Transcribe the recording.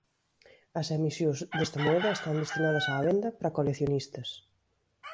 As emisións desta moeda están destinadas á venda para coleccionistas.